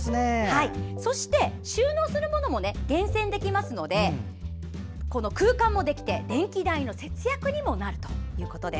そして収納するものを厳選しますので、空間もできて電気代の節約にもなるんです。